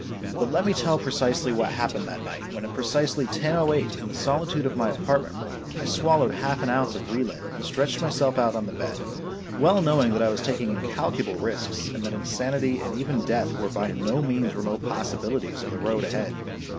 But let me tell precisely what happened that night when at precisely 10:08 in the solitude of my apartment room, I swallowed half an ounce of Relin and stretched myself out on the bed, well knowing that I was taking incalculable risks, and that insanity and even death were by no means remote possibilities of the road ahead.